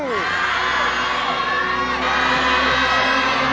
ร้อง